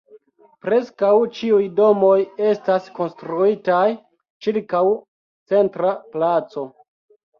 Preskaŭ ĉiuj domoj estas konstruitaj ĉirkaŭ centra placo.